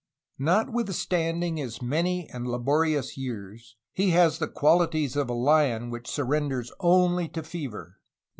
Notwithstanding his many and laborious years, he has the qualities of a lion, which surrenders only to fever.